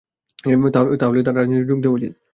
তাহলে তার রাজনীতিতে যোগ দেওয়া উচিত।